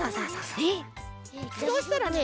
そうしたらね